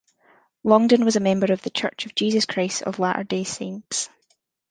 Longden was a member of The Church of Jesus Christ of Latter-day Saints.